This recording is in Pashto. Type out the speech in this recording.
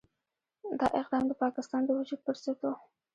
دا اقدام د پاکستان د وجود پرضد وو.